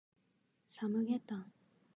サムゲタン